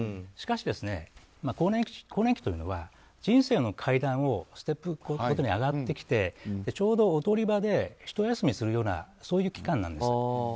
しかし、更年期というのは人生の階段をステップを上がってきてちょうど踊り場でひと休みするような期間なんです。